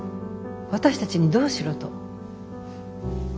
私たちにどうしろと？